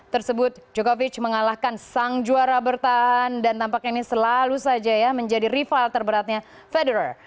tersebut jokovic mengalahkan sang juara bertahan dan tampaknya ini selalu saja ya menjadi rival terberatnya federer